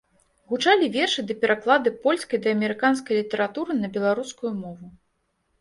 Гучалі вершы ды пераклады польскай ды амерыканскай літаратуры на беларускую мову.